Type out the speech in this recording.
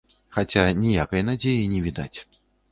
Хаця ніякай надзеі не відаць.